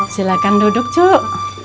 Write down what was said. silahkan duduk cuk